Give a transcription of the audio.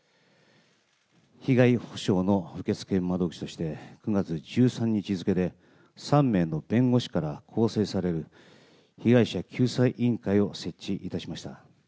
被害補償の受付窓口として、９月１３日付で、３名の弁護士から構成される被害者救済委員会を設置いたしました。